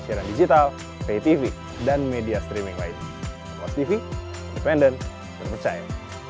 siaran digital pay tv dan media streaming lain tv pendek dan percaya